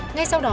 ngay sau đó